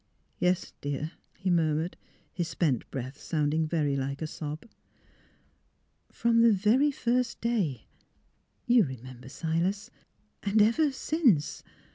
'' Yes, dear," he murmured; his spent breath sounding very like a sob. '' From the very first day — you remember, Silas? And — ever since."